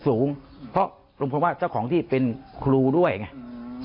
สูงเพราะลุงพลว่าเจ้าของที่เป็นครูด้วยไง